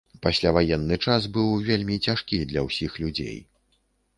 Пасляваенны час быў вельмі цяжкі для ўсіх людзей.